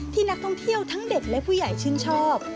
ที่นักท่องเที่ยวทั้งเด็กและผู้ใหญ่ชื่นชอบ